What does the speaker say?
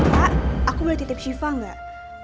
kak aku boleh titip siva gak